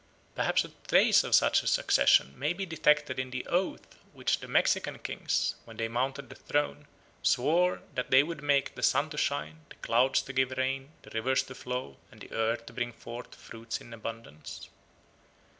Perhaps a trace of such a succession may be detected in the oath which the Mexican kings, when they mounted the throne, swore that they would make the sun to shine, the clouds to give rain, the rivers to flow, and the earth to bring forth fruits in abundance.